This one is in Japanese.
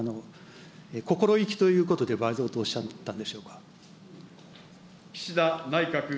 心意気ということで、倍増とおっしゃったんでしょうか。